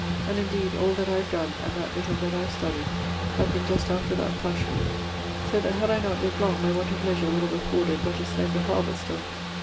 And indeed all that I have donne and that little that I have studied have been just after that fashion, so that had I not lived long my want of leisure would have afforded but a slender harvest of....